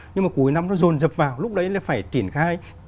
nhưng mà cuối năm nó rồn dập vào lúc đấy là phải triển khai